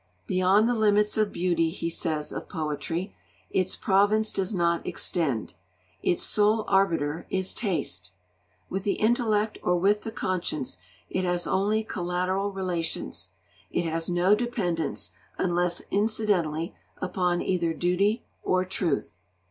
'Beyond the limits of beauty,' he says of poetry, 'its province does not extend. Its sole arbiter is Taste. With the Intellect or with the Conscience it has only collateral relations. It has no dependence, unless incidentally, upon either Duty or Truth.'